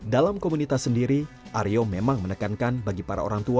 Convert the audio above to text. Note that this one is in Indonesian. dalam komunitas sendiri aryo memang menekankan bagi para orang tua